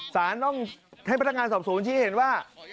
สารต้องให้พนักงานสอบสวนชี้เห็นว่า